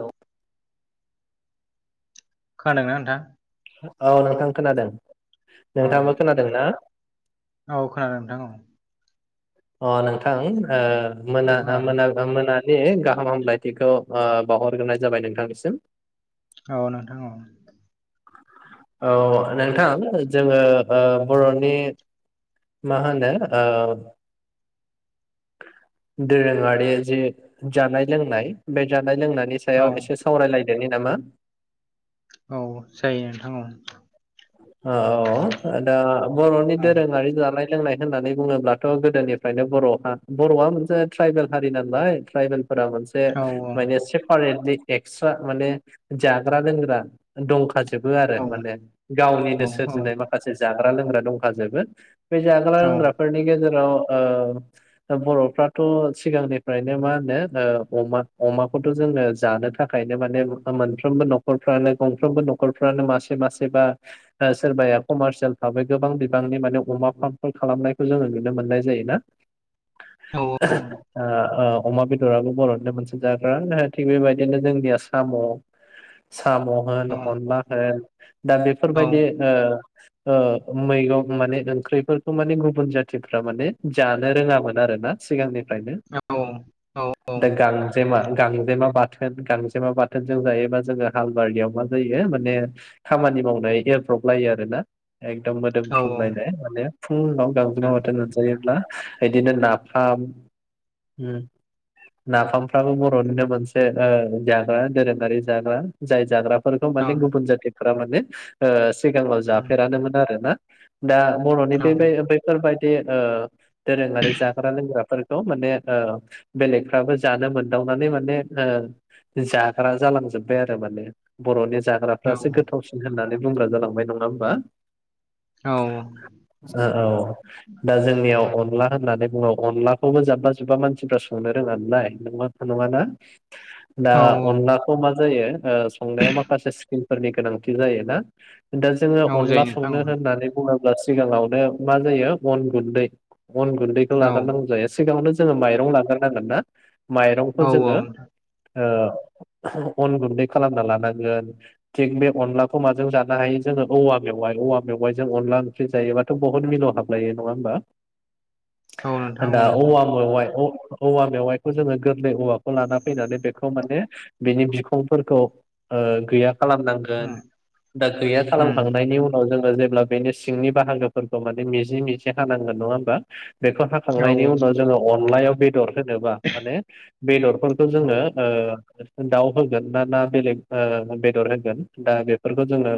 औ खोनादोंना नोंथां? औ नोंथां खोनादों नोंथां नोंथांङाबो खोनादों ना? औ खोनादों नोंथां औ। अ नोंथां ओ मोना मोना मोना। गाहाम हामलायथिखौ ओ बावहरग्रोनाय जाबाय नोंथांनिसिम औ नोंथां औ। औ नोंथां जोङो ओ बरनि माहोनो ओ दोरोंङारि जि जानाय लोंनाय बे जा थानाय लोंनायनि औ सायाव एसे सावरायलायदोनि नामा? औ जायो नोंथां औ औ दा बरनि दोरोंङारि जानाय लोंनाय होननानै बुङोब्लाथ गोदोनिफ्रायनो बर बरआ मोनसे ट्राइबेल हारि नालाय ट्राइबेल फोर मोनसे औ माने सेपारेटलि एक्सट्रा माने जाग्रा लोंग्रा दंखाजोबो आरो औ माने। गावनिनो औ सोरजिनाय माखासे जाग्रा लोंग्रा दंखाजोबो बे जाग्रा औ लोंग्राफोरनि गेजेराव औ ओ दा बरफ्रोथ सिगांनिफ्रायनो मा होनो ओ अमा अमा। थ जोङो जानो थाखायनो माने मोनफ्रोमबो नखरफ्रानो गंफ्रोमबो नखरफ्रानो मासे मासे बा सोरबाया कमारसियेल भाबै गोबां बिबांनि माने अमा फार्मफोर खालामनायखौ जोङो नुनो मोननाय जायो। [unintelligible] औ ओ औ अमा बेदराबो बरनिनो मोनसे जाग्रा थिग बेबायदिनो जोंनिया साम साम होन अनला औ होन दा बेफोरबायदि ओ, ओ मैगं माने ओंख्रिफोरखौ माने गुबुन जाथिफ्रा माने जानो रोंङामोन। आरोना सिगांनिफ्रायनो औ औ दा जायो गांजेमा गांजेमा बाथोन गांजेमा बाथोन जों जायोबा जोङो हालबारियाव मा जायो माने खामानि मावनो। [unintelligible] लायो आरोना। एकदम मोदोमफ्रुलायनाय माने फुंङाव नोंथां गांजेमा बाथोन मोजायोब्ला बिदिनो नाफाम नाफामफ्राबो बर'निनो मोनसे जाग्रा दोरोङारि जाग्रा, जाय जाग्रा फोरखौ माने गुबुन जाथिफोरा माने सिगाङाव औ जाफेरानोमोन आरो ना दा बर'नि बे बेैफोरबायदि दोरोङारि जाग्रा लोंग्रा। माने बेलेगफ्राबो जानो मोनदावनानै माने जाग्रा जालां जोबबाय आरो माने बर'नि जाग्राफ्रासो गोथावसिन होननानै बुंग्रा जालांबाय नङा होमबा? औ ओ औ दा जोंनियाव अनला होननानै बुङो अनदलाखौबो जाब्बा जुब्बा मानसिफ्रा संनो रोङा नालाय नङा नङाना। दा अनलाखौ मा जायो संनायाव माखासे स्किलफोरनि गोनांथि जायोना। दा जोङो अनला संनो होननानै बुनांगौ सिगाङावनो मा जायो अन गुन्दै अन गुन्दैखौ लाग्रोनो नांगौ जायो सिगांङावनो जोंङो माइरं लाग्रोनो नांगोन ना, माइरंखौ औ जोङो अन गुन्दै खालामना लानांगोन थिग बे अनलाखौ माजों जा नो हायो जोङो औवा मेवाइ औवा मेवाइजों अनला ओंख्रि जायोबाथ' बहुद मिलौ हाबलायो, नङा होमबा? औ नोंथां औ ना नंगौ औवा मेवाय औवा मेवाइखौ जोङो गोरलै औवाखौ लाना फैनानै बेखौ माने बिनि बिखंफोरखौ गैया औ खालामनांगोन दा गैया औ खालामखांनायनि उनाव जोङो जेब्ला बेनि सिंनि बाहागोफोरखौ माने मिजि मिजि हानांगोन नङा होमबा? बेखौ औ हाखांनायनि उनाव जोङो अनलायाव बेदर होनोबा माने बेदरफोरखौ जोङो दाउ होगोन ना ना बेलेग बेदर होगोन दा बेफोरखौ जोङो।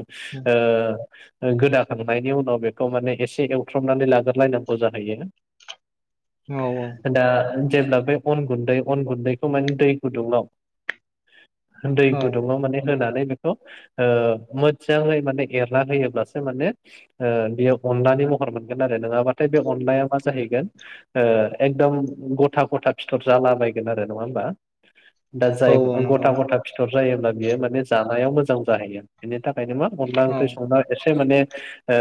ओ गोदाखांनायनि उनाव बेखौ माने एसे एवथ्रबनानै लाग्रोलायनांगौ जाहैयो औ दा जेब्ला बे अन गुन्दै अन गुन्दैखौ माने दै गुदुङाव दै औ गुदुङाव माने होनानै बेखौ ओ मोजाङै माने एरना होयोब्लासो माने ओ बेयो अनलानि महर मोनगोन आरो नङाबाथ बे अनलाया मा जाहैगोन ओ एकदम गथा गथा फिथर जालाबायगोन आरो नङा होमबा? दा औ जाय गथा नंगौ गथा फिथर जायोब्ला बियो माने जानायाव मोजां जाहैयो बेनि था खायनो मा अनला औ ओंख्रि संब्ला एसे माने ओ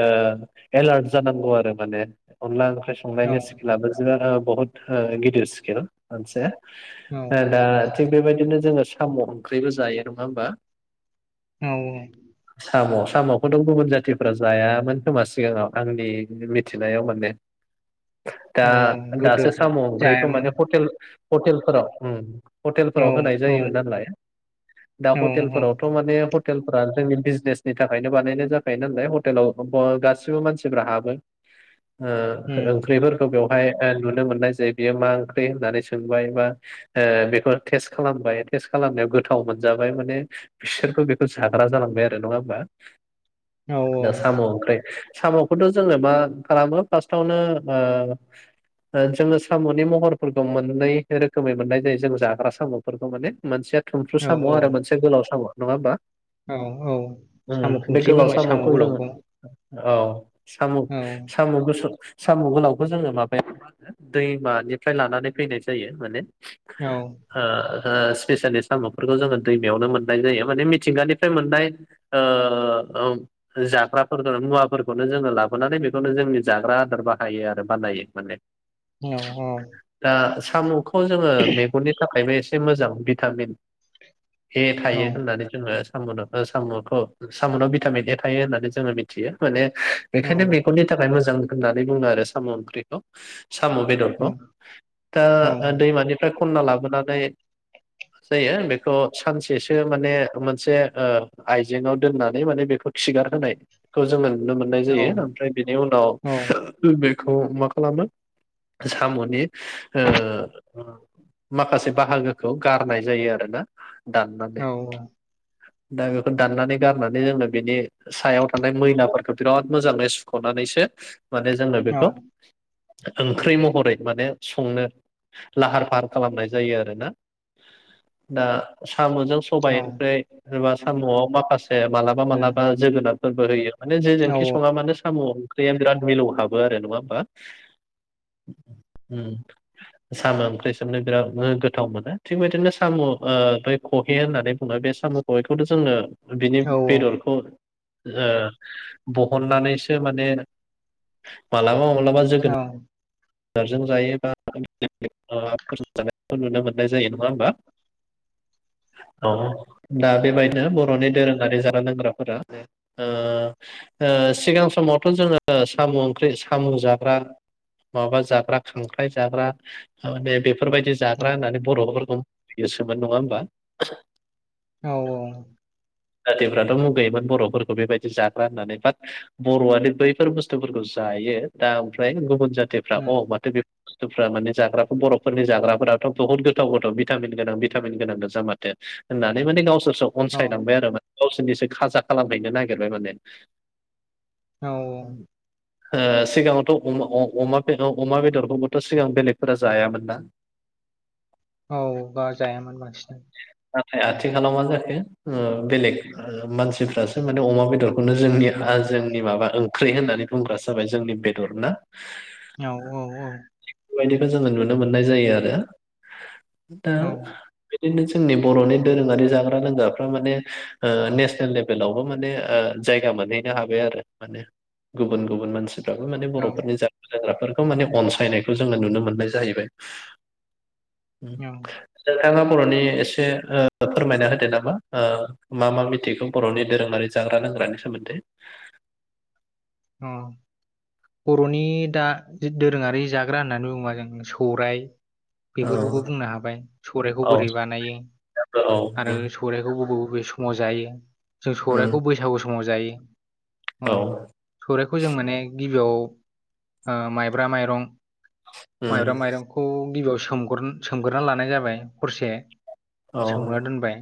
एलार्ट जानांगौ आरो माने अनला ओंख्रि संनायनि स्किलाबो [unintelligible] बहुत ओ गिदिर स्किल मोनसे औ दा थिग बेबायदिनो जोङो साम' ओंख्रिबो जायो नङा होमबा? औ औ साम' साम'खौथ' गुबुन जाथिफ्रा जायामोन खोमा सिगाङाव आंनि मिथिनायाव माने दा औ गोदो दासो साम' ओंख्रैखौ जायामोन माने हटेल हटेलफोराव औ हटेलफोराव होनाय औ जायोमोन नालाय दा औ हटेलफोरावथ' माने [unintelligible] जोंनि बिजनेसनि थाखायनो बानायनाय जाखायो नालाय हटेलाव गासिबो मानसिफ्रा हाबो। उम ओ ओंख्रिफोरखौ बेव हाय ओ नुनो मोननाय जायो बियो मा ओंख्रि होननानै सोंबाय बा ओ बेखौ टेस्ट खालामबाय टेस्ट खालामनायाव गोथाव मोनजाबाय माने बिसोरबो बेखो जाग्रा जालांबाय आरो नङा होमबा औ दा साम' ओंख्रै साम'खौथ' जोङो मा खालामो फार्स्टावनो ओ जोङो साम'नि महरफोरखौ मोननै रोखोमै मोननाय जायो जों जाग्रा साम'फोरखौ माने मोनसेया थुमफ्रु औ साम' आरो मोनसे गोलाव साम' नङा होमबा? औ औ साम' उम बे ओंख्रिबो गोलाव होनबाय साम' साम'खौ जोङो गोलावखौ औ साम' औ साम' गुसुं साम' गोलावखौ जोङो माबायाव मा होनो दैमानिफ्राय लानानै फैनाय जायो माने औ ओ स्पेसियेलि साम'फोरखौ जोङो दैमायावनो मोननाय जायो माने मिथिंगानिफ्राय मोननाय ओ ओम जाग्राफोरखौ मुवाफोरखौनो जोङो लाबोनानै बेखौनो जोंनि जाग्रा आदार बाहायो आरो बानायो माने औ दा साम'खौ जोङो मेगननि थाखायबो एसे मोजां भिटामिन ए औ थायो होननानै जोङो साम'नो ओ साम'खौ साम'नाव भिटामिन ए थायो होननानै जोङो मिथियो माने औ बेखायनो मेगननि थाखाय मोजां होननानै बुङो आरो साम' ओंख्रिखौ। साम' औ बेदरखौ उम दा औ दैमानिफ्राय खनना लाबोनानै जायो बेखौ सानसेसो माने मोनसे ओ आइजेङाव दोननानै माने बेखौ खिगार होनायखौ जोङो नुनो मोननाय औ औ जायो ओमफ्राय बेनि उम औ उम औ उनाव बेखौ मा खालामो साम'नि ओ माखासे बाहागोखौ गारनाय जायो आरोना दाननानै। दा बेखौ दाननानै गारनानै जोङो बेनि सायाव थानाय मैलाफोरखौ बिराद मोजाङै सुख'ना नै सो माने जोङो बेखौ ओंख्रै महरै माने संनो लाहार फाहार खालामनाय जायो आरोना। दा साम'जों सबाइ ओमफ्राय एबा साम'आव माखासे मालाबा मालाबा जोगोनारफोरबो होयो माने जेजोंखि सङा मानो साम' ओंख्रिया बिराद मिलौ हाबो आरो नङा होमबा? [inaudible] उम साम' ओंख्रि सोबनो बिराद गोथाव मोनो थिग बिदिनो साम' ओ [unintelligible] [unintelligible] होननानै बुङो बे साम' कहेखौथ' जोङो बिनि बेदरखौ बहननानैसो माने मालाबा मालाबा जोगोनार जों जायोबा फोरजों जानायखौ नुनो मोननाय जायो नङा होमबा। [inaudible] औ दा बेबायदिनो बर'नि दोरोङारि जाग्रा लोंग्राफोरा सिगां समावथ' जोङो साम' ओंख्रि साम' जाग्रा माबा जाग्रा खांख्राय जाग्रा बेफोरबायदि जाग्रा होननानै बर'फोरखौ बासियोमोन नङा होमबा? औ औ जाथिफ्राथ' मुगैयोमोन बर'फोरखौ बेबायदि जाग्रा होननानै बाट बर'आनो बैफोर बुस्थुफोरखौ जायो दा ओमफ्राय गुबुन जाथिफ्रा अ माथो गोथाव बुस्थुफ्रा माने जाग्रा बर'फोरनि जाग्राफोराथ' बहुत गोथाव गोथाव भिटामिन गोनां भिटामिन गोनां गोजा माथो होननानै माने गावसोरसो औ अनसायलांबाय आरो माने। गावसोरनिसो खाजा खालामहैनो नागिरबाय माने औ औ सिगाङावथ' अमा बेदरखौबोथ' सिगां बेलेगफोरा जायामोन ना? [inaudible] औ जायामोन बांसिनानो नाथाय आथिखालाव मा जाखो बेलेग मानसिफ्रासो माने अमा बेदरखौनो जोंनिखा जोंनि माबा ओंख्रि होननानै बुंग्रा जाबाय जोंनि बेदर ना औ औ औ बेबायदिखौ जोङो नुनो मोननाय जायो आरो दा औ बिदिनो जोंनि बर'नि दोरोङारि जाग्रा लोंग्राफ्रा माने नेसनेल लेभेलावबो माने जायगा मोनहैनो हाबाय आरो माने गुबुन गुबुन मानसिफ्राबो मान औ बर'फोरनि जाग्रा लोंग्राफोर खौ माने अनसायनायखौ जोङो नुनो मोननाय जाहैबाय। नोंथाङा बर'नि एसे एसे फोरमायना होदो नामा मा मा मिथिगौ बर'नि दोरोङारि जाग्रा लोंग्रानि सोमोन्दै। [inaudible] औ औ। बर'नि दा दोरोङारि जाग्रा होननानै बुङोबा जों सौराय औ बेफोरखौबो बुंनो हाबाय सौराइखौ औ बोरै बानायो साफ्रा औ आरो उम सौराइखौ बबे बबे समाव जायो जों सौराइखौ बैसागु समाव जायो। औ। सौराइखौ जों माने गिबियाव ओ माइब्रा माइरं माइब्रा उम माइरंखौ गिबियाव सोमग्रो सोमग्रोनानै लानाय जाबाय हरसे औ सोमना दोनबाय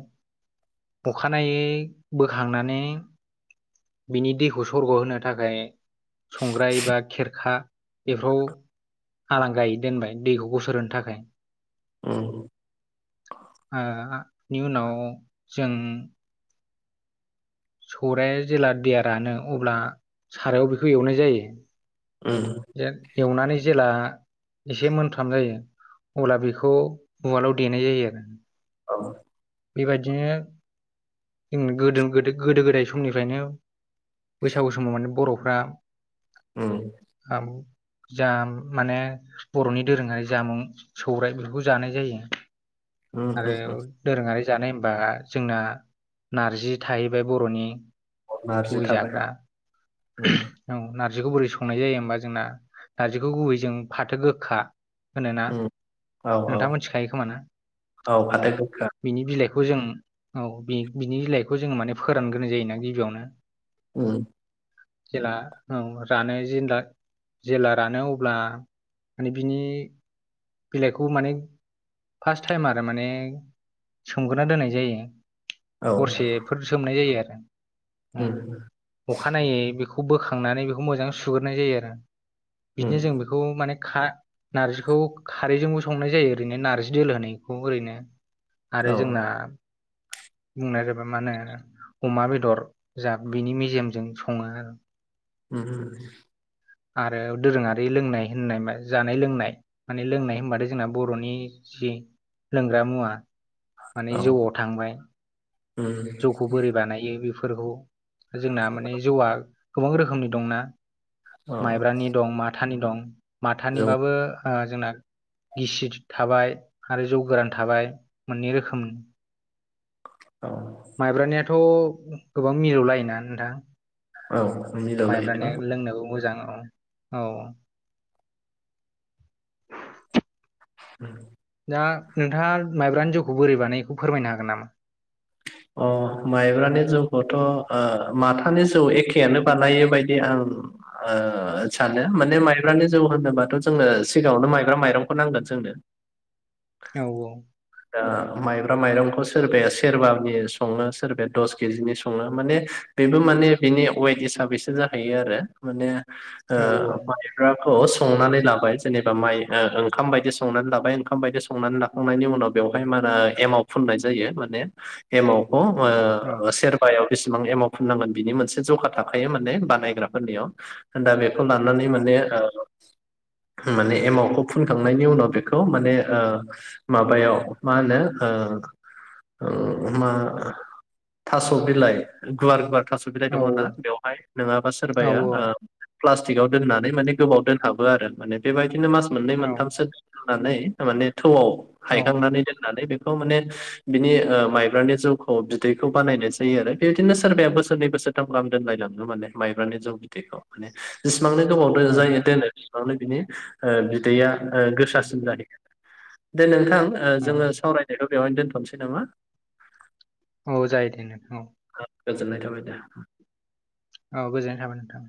अखानायै बोखांनानै बिनि दैखौ सरग' होनो थाखाय संग्राय बा खेरखा बेफोराव हालां गायै दोनबाय दैखौ गसोर होनो थाखाय। उम ओ बेनि उनाव जों सौरायाया जेला दैया रानो अब्ला सारायाव बेखौ एवनाय जायो। ओम। जे एवनानै जेला एसे मोनफ्राम जायो अब्ला बेखौ उवालाव देनाय जायो आरो औ। बेबायदिनो जों गोदो गोदो गोदो गोदाय समनिफ्रायनो बैसागु समाव माने बर'फ्रा उम खाम जा माने बर'नि दोरोङारि जामुं सौराइ बेफोरखौ जानाय जायो। उम आरो उम दोरोङारि जानाय होमबा जोंना नारजि थाहैबाय बर'नि औ नारजि गुबै थाबाय औ जाग्रा ओम औ नारजिखौ बोरै संनाय जायो होमबा जोंना नारजिखौ गुबै जों फाथो गोखा होनोना उम औ औ नोंथाङा मोनथिखायो खोमा ना औ अ फाथो गोखा बिनि बिलाइ खौ जों औ बि बिनि बिलाइखौ जों माने फोरानग्रोनानाय जायोना गिबियावनो ओं जेला औ रानो जिनला जेला रानो अब्ला माने बिनि बिलाइखौ माने फार्स्ट टाइम आरो माने सोमग्रोना दोननाय जायो हरसेफोर सोमनाय जायो आरो उम अखानायै ओम बेखौ बोखांनानै बेखौ मोजां सुग्रोनाय जायो आरो उम बिदिनो जों बेखौ माने खा नारजिखौ खारैजोंबो संनाय जायो ओरैनो नार्जि दोलो होनो इखौ ओरैनो आरो औ जोंना उम बुंनाया जाबाय मा होनो अमा बेदर जा बिनि मेजेमजों सङो ओम आरो दोरोङारि लोंनाय होननाय मा जानाय लोंनाय माने लोंनाय होनबाथाय जोंना बर'नि जि लोंग्रा मुवा औ माने जौआव थांबाय उम जौखौ बोरै बानायो बे फोरखौ जोंना माने जौआ गोबां रोखोमनि दंना औ माइब्रानि दं माथानि दं जौ माथानिबाबो ओ जोंना गिसि थाबाय आरो जौ गोरान थाबाय मोननै रोखोमनि औ माइब्रानियाथ' गोबां मिलौलायोना नोंथां औ मिलौलायोथ' माइब्रानिया उम लोंनोबो मोजां औ औ ओं दा नोंथाङा माइब्रानि जौखौ बोरै बानाय बेखौ फोरमायनो हागोन नामा अ माइब्रानि जौखौथ' ओ माथानि जौ एखेयानो बानायो बायदि आं ओ सानो माने माइब्रानि जौ होनोबाथ' जोंङो सिगाङावनो माइब्रा माइरंखौ नांगोन सोंदो औ ओ माइब्रा माइरंखौ सोरबाया सेरबानि सङो सोरबाया दस केजिनि संङो माने बेबो माने बिनि अेड हिसाबैसो जाहैयो आरो माने औ ओ माइब्रा खौ संनानै लाबाय जेनेबा माइ ओंखाम बायदि संनानै लाबाय ओंखाम बायदि संनानै लाखांनायनि उनाव बेयावहाय मा होनो एमाव फुननाय जायो माने एमावखौ औ ओ सेरबायाव बेसेबां एमाव फुनांगोन बिनि मोनसे जखा थाखायो माने बानायग्राफोरनियाव दा बे खौ फोननानानै माने ओ माने एमावखौ फुनखांनायनि उनाव बेखौ माने ओ माबायाव मा होनो ओ उम मा थास' बिलाइ गुवार गुवार थास' बिलाय औ दंङोना बेवहाय नंङाबा सोरबाया ओ प्लास्टिकआव दोननानै माने गोबाव दोनहाबो आरो माने बेबायदिनो मास मोननै औ मोनथामसो नानै माने थौआव हायखांनानै नै बेखौ माने बिनि ओ माइब्रानि जौखौ बिदैखौ बानायनाय जायो आरो बेबायदिनो सोरबाया बोसो नै बोसोरथाम गाम दोनलायलाङो माने माइब्रानि जौ बिदैखौ माने जो सिबांनो गोबाव औ जायो दोनो बेसेबांनो बिनि ओ बिदैया गोसासिन जाहैयो दे नोंथां जोंङो सावरायनायखौ बेवहायनो दोनथ'नोसै नामा औ जायो दे नोंथां औ गोजोननाय थाबाय दे औ गोजोननाय थाबाय नोंथां